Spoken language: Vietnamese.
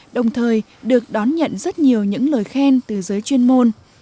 đồng thời được đón nhận rất nhiều những lời khen từ giới chuyên môn